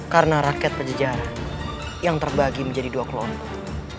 karena rakyat pejajaran yang terbagi menjadi dua kelompok